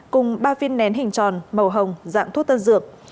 cùng ba viên nén hình tròn màu hồng dạng thuốc tân dược